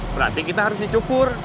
berarti kita harus dicukur